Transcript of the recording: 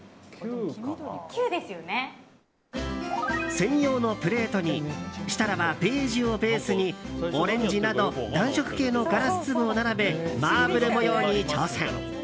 専用のプレートに設楽はベージュをベースにオレンジなど暖色系のガラス粒を並べマーブル模様に挑戦。